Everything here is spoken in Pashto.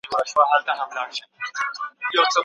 اوړی کې زياتې اوبه وڅښه